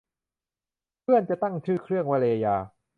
เพื่อนจะตั้งชื่อเครื่องว่า เรยา